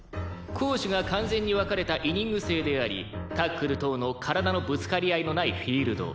攻守が完全に分かれたイニング制でありタックル等の体のぶつかり合いのないフィールド。